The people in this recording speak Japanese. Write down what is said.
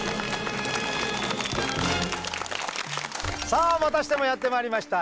さあまたしてもやってまいりました。